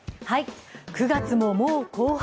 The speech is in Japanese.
９月ももう後半。